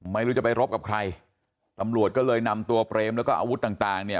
ไม่รู้จะไปรบกับใครตำรวจก็เลยนำตัวเปรมแล้วก็อาวุธต่างต่างเนี่ย